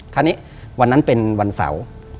คราวนี้วันนั้นเป็นวันเสาร์